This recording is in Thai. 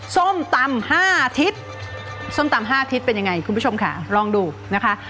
ส้มตำ๕ทิศส้มตำ๕ทิศเป็นยังไงคุณผู้ชมค่ะลองดูนะคะ